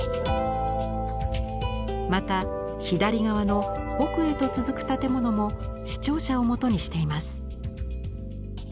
また左側の奥へと続く建物も市庁舎を元にしています。